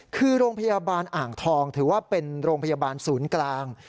คือโรงพยาบาลอ่างทองถือว่าเป็นโรงพยาบาลศูนย์กลาง